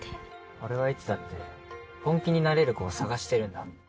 俺はいつだって本気になれる子を探してるんだ。